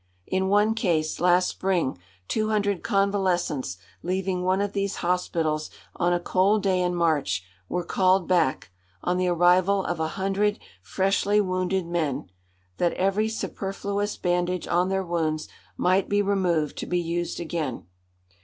In one case, last spring, two hundred convalescents, leaving one of these hospitals on a cold day in March, were called back, on the arrival of a hundred freshly wounded men, that every superfluous bandage on their wounds might be removed, to be used again.